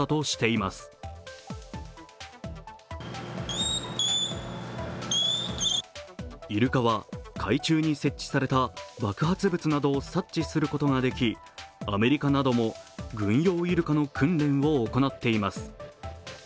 いるかは海中に設置された爆発物などを察知することができアメリカなども、軍用いるかの訓練を行っています。